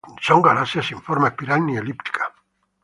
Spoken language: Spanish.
Son galaxias sin forma espiral ni elíptica.